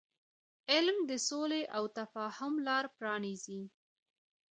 علم د سولې او تفاهم لار پرانیزي.